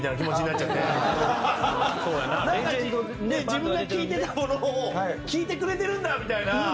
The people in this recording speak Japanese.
自分が聴いてたものを聴いてくれてるんだみたいな。